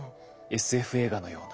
ＳＦ映画のような。